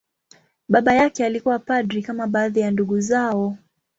Baba yake alikuwa padri, kama baadhi ya ndugu zao.